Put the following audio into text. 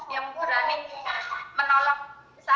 yang berani menolong saya